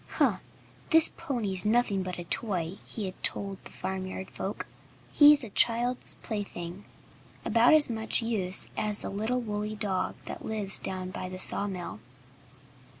"Huh! This pony's nothing but a toy," he had told the farmyard folk. "He's a child's plaything about as much use as the little wooly dog that lives down by the sawmill."